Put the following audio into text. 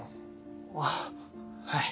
あっはい。